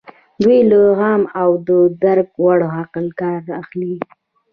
دوی له عام او د درک وړ عقل کار اخلي.